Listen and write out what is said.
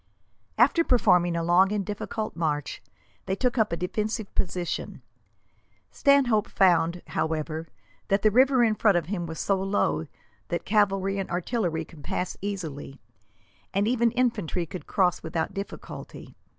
After performing a long and difficult march, they took up a defensive position. Stanhope found, however, that the river in front of him was so low that cavalry and artillery could pass easily, and even infantry could cross without difficulty.